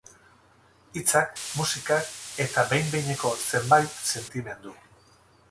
Hitzak, musika eta behin-behineko zenbait sentimendu.